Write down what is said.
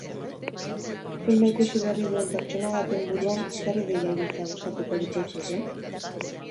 Filma ikusi berri duen pertsona baten buruan zer ideia ibiltzea gustatuko litzaizuke?